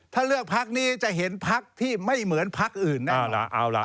ถ้าเลือกพักนี้จะเห็นพักที่ไม่เหมือนพักอื่นนะ